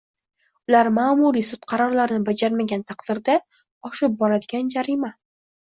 ular ma’muriy sud qarorini bajarmagan taqdirda “oshib boradigan” jarima